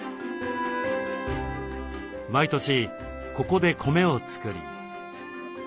毎年ここで米を作り。